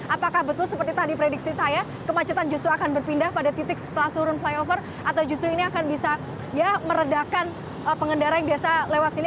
apakah betul seperti tadi prediksi saya kemacetan justru akan berpindah pada titik setelah turun flyover atau justru ini akan bisa meredakan pengendara yang biasa lewat sini